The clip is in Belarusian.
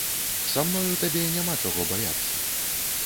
Са мною табе няма чаго баяцца.